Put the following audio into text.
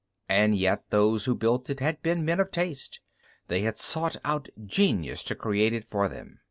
And yet those who built it had been men of taste, they had sought out genius to create for them.